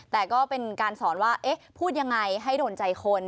แต่ก็เป็นการสอนว่าเอ๊ะพูดยังไงให้โดนใจคน